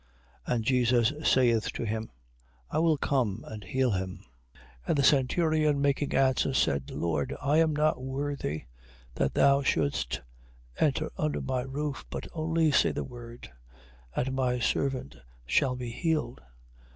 8:7. And Jesus saith to him: I will come and heal him. 8:8. And the centurion, making answer, said: Lord, I am not worthy that thou shouldst enter under my roof; but only say the word, and my servant shall be healed.